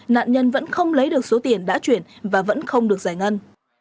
nạn nhân vẫn không lấy được số tiền đã chuyển và vẫn không được giải ngân